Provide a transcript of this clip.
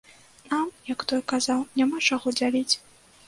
Нам, як той казаў, няма чаго дзяліць.